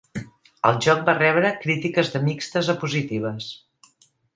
El joc va rebre crítiques de mixtes a positives.